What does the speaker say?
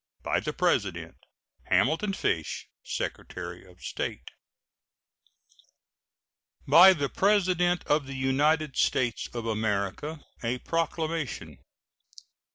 By the President: HAMILTON FISH, Secretary of State. BY THE PRESIDENT OF THE UNITED STATES OF AMERICA. A PROCLAMATION.